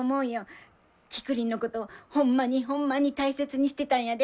キクリンのことホンマにホンマに大切にしてたんやで。